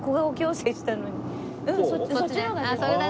そっちね。